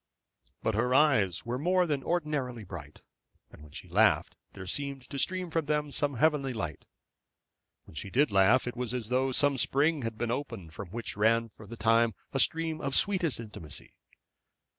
But her eyes were more than ordinarily bright, and when she laughed there seemed to stream from them some heavenly delight. When she did laugh it was as though some spring had been opened from which ran for the time a stream of sweetest intimacy.